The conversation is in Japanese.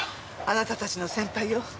あなたたちの先輩よ。